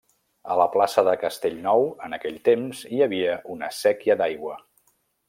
A la plaça de Castellnou en aquell temps hi havia una séquia d’aigua.